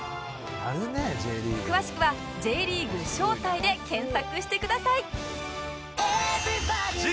詳しくは「Ｊ リーグ招待」で検索してください！